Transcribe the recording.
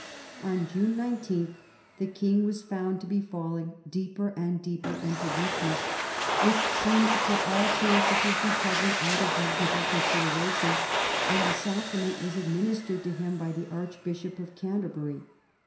On June 19 the King was found to be falling deeper and deeper into weakness, which seemed to put all chance of his recovery out of reasonable consideration, and the Sacrament was administered to him by the Archbishop of Canterbury.